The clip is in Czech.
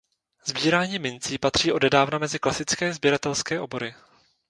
Sbírání mincí patří odedávna mezi klasické sběratelské obory.